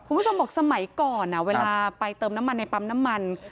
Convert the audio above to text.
คุณผู้ชมบอกสมัยก่อนเวลาไปเติมน้ำมันในปั๊มน้ำมัน